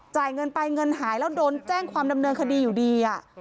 จ่ายเงินไปเงินหายแล้วโดนแจ้งความดำเนินคดีอยู่ดี